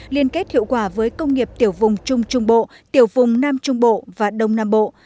liên kết hiệu quả với công nghiệp tiểu vùng trung trung bộ tiểu vùng nam trung bộ và đông nam bộ